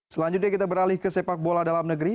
selanjutnya kita beralih ke sepak bola dalam negeri